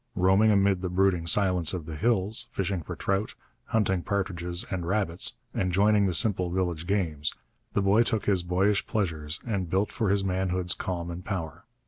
Roaming amid the brooding silence of the hills, fishing for trout, hunting partridges and rabbits, and joining in the simple village games, the boy took his boyish pleasures and built for his manhood's calm and power.